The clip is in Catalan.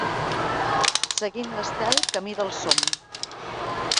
Seguint l’estel camí del som.